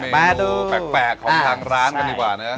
มาดูแปลกของทางร้านกันดีกว่านะ